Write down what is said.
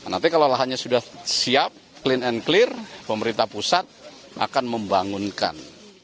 nanti kalau lahannya sudah siap clean and clear pemerintah pusat akan membangunkan